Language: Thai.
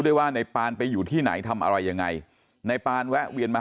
ว่าในปานไปอยู่ที่ไหนทำอะไรยังไงในปานแวะเวียนมา